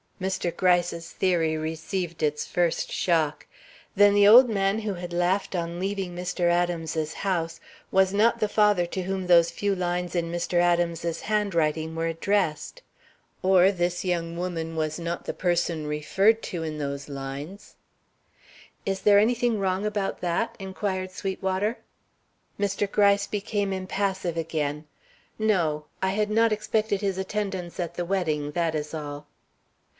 Mr. Gryce's theory received its first shock. Then the old man who had laughed on leaving Mr. Adams's house was not the father to whom those few lines in Mr. Adams's handwriting were addressed. Or this young woman was not the person referred to in those lines. "Is there anything wrong about that?" inquired Sweetwater. Mr. Gryce became impassive again. "No; I had not expected his attendance at the wedding; that is all."